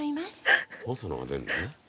細野が出るのね。